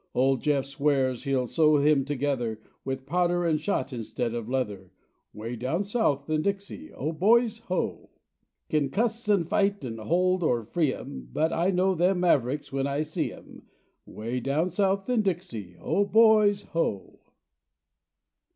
Old Jeff swears he'll sew him together With powder and shot instead of leather, Way down south in Dixie, Oh, boys, Ho. Kin cuss an' fight an' hold or free 'em, But I know them mavericks when I see 'em, Way down south in Dixie, Oh, boys, Ho.